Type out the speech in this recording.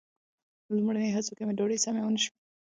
لومړني هڅو کې مې ډوډۍ سمې ونه شوې.